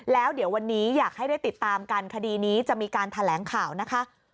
แล้วเดี๋ยววันนี้อยากให้ได้ติดตามกันคดีนี้จะมีการแถลงข่าวนะคะ